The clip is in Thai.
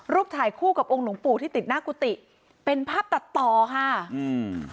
ถ่ายคู่กับองค์หลวงปู่ที่ติดหน้ากุฏิเป็นภาพตัดต่อค่ะอืม